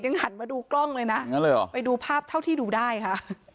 ยังหันมาดูกล้องเลยนะงั้นเลยอ๋อไปดูภาพเท่าที่ดูได้ค่ะ